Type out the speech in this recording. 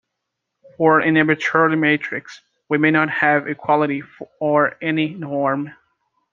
For an arbitrary matrix, we may not have equality for any norm.